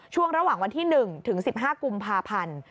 ช่วงระหว่างวันที่๑ถึง๑๕กุมภาพันธ์